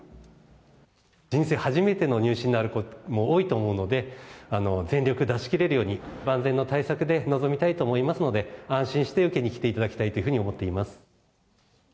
人生初めての入試になる子も多いと思うので、全力を出しきれるように、万全の対策で臨みたいと思いますので、安心して受けに来ていただきたいというふうに思っています。